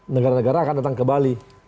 negara negara akan datang ke bali